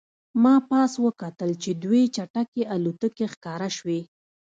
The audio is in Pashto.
ما پاس وکتل چې دوې چټکې الوتکې ښکاره شوې